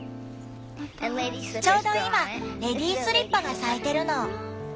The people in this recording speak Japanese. ちょうど今レディースリッパが咲いてるの。